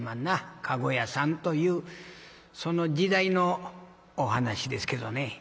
駕籠屋さんというその時代のお噺ですけどね。